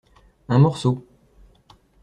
Un morceau.